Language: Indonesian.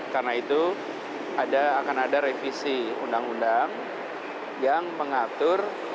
karena itu akan ada revisi undang undang yang mengatur